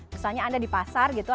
misalnya anda di pasar gitu